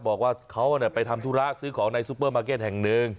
บอกว่าเขาไปทำธุระซื้อของในซูเปอร์มาร์เก็ตแห่งหนึ่ง